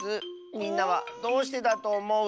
みんなはどうしてだとおもう？